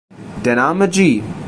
Der Name "G!